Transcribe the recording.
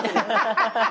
ハハハ。